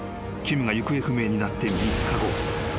キムが行方不明になって３日後］